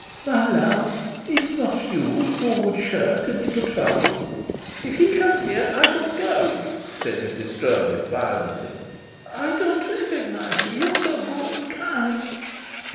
"My love, it's not you who would shirk a little trouble." "If he comes here, I shall go," said Mrs. Stroeve violently. "I don't recognize you. You're so good and kind."